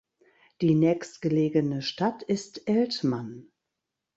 Die nächstgelegene Stadt ist Eltmann.